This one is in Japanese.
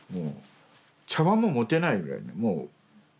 茶わんも持てないぐらいにもう。